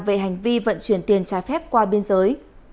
về hành vi vận chuyển tiền trái phép qua biên giới